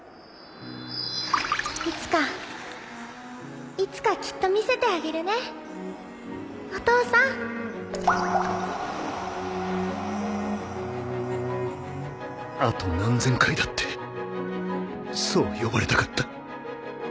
いつかいつかきっとお父さんあと何千回だってそう呼ばれたかった